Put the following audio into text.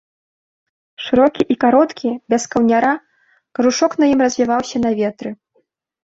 Шырокі і кароткі, без каўняра, кажушок на ім развяваўся на ветры.